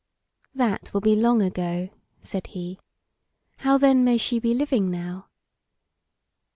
"That will be long ago," said he; "how then may she be living now?"